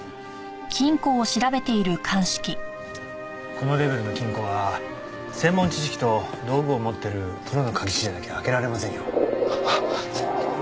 このレベルの金庫は専門知識と道具を持ってるプロの鍵師じゃなきゃ開けられませんよ。